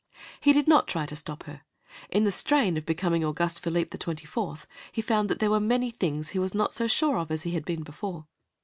He did not try to stop her. In the strain of becoming Auguste Philippe the Twenty fourth he found that there were many things he was not so sure of as he had been before.